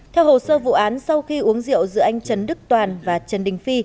theo hồ sơ vụ án sau khi uống rượu giữa anh trần đức toàn và trần đình phi